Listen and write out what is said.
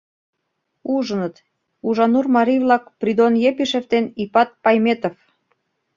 Ужыныт: Ужанур марий-влак Придон Епишев ден Ипат Пайметов.